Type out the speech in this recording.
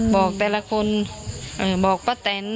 บอกแต่ละคนบอกพระเต็นท์